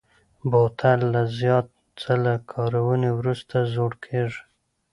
بوتل له زیات ځله کارونې وروسته زوړ کېږي.